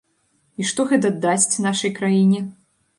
І што гэта дасць нашай краіне?